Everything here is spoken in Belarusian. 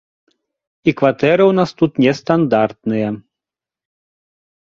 І кватэры ў нас тут нестандартныя.